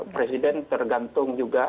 presiden tergantung juga